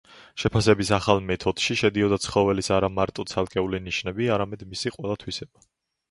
შეფასების ახალ მეთოდში შედიოდა ცხოველის არა მარტო ცალკეული ნიშნები, არამედ მისი ყველა თვისება.